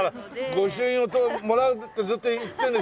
御朱印をもらうずっと行ってるんでしょ？